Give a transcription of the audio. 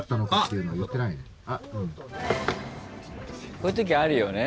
こういうときあるよね。